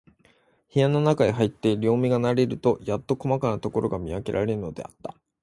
部屋のなかへ入って、両眼が慣れるとやっと、こまかなところが見わけられるのだった。